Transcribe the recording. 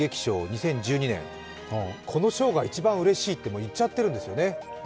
２０１２年、この賞が一番うれしいって言っちゃってるんですよね。